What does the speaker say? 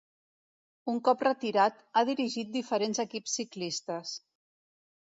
Un cop retirat, ha dirigit diferents equips ciclistes.